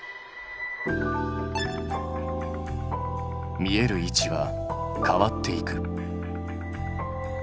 見える位置は変わっていく。